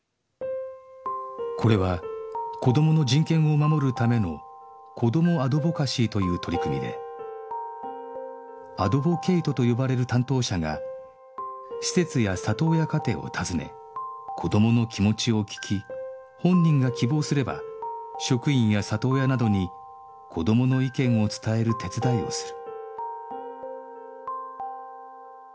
これは子どもの人権を守るための子どもアドボカシーという取り組みでアドボケイトと呼ばれる担当者が施設や里親家庭を訪ね子どもの気持ちを聞き本人が希望すれば職員や里親などに子どもの意見を伝える手伝いをする